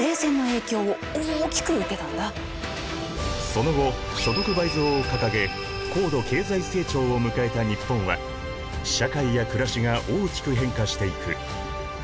その後所得倍増を掲げ高度経済成長を迎えた日本は社会や暮らしが大きく変化していく。